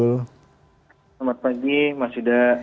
selamat pagi mas huda